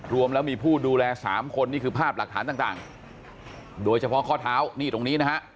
รวมแล้วมีผู้ดูแลสามคนนี่คือภาพหลักฐานต่างโดยเฉพาะข้อเท้านี่ตรงนี้นะฮะ